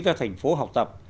ra thành phố học tập